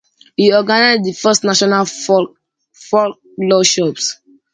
He organised the first National folklore workshops.